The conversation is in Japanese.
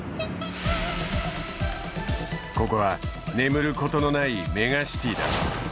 ここは眠ることのないメガシティだ。